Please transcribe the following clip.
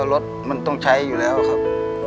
รถมันต้องใช้อยู่แล้วครับ